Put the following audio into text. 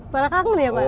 malah kangen ya pak ya